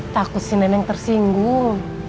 takut si neneng tersinggung